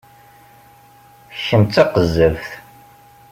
Kem d taqezzabt!